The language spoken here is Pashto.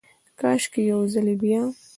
کاشکي ، یو ځلې بیا،